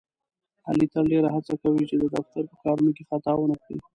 علي تل ډېره هڅه کوي، چې د دفتر په کارونو کې خطا ونه کړي.